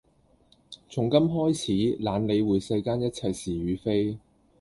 從今開始懶理會世間一切是與非